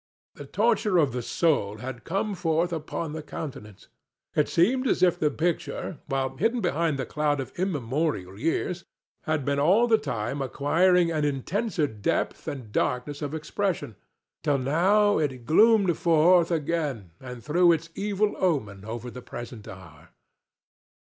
The torture of the soul had come forth upon the countenance. It seemed as if the picture, while hidden behind the cloud of immemorial years, had been all the time acquiring an intenser depth and darkness of expression, till now it gloomed forth again and threw its evil omen over the present hour.